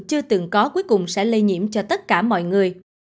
chưa từng có cuối cùng sẽ lây nhiễm cho tất cả mọi người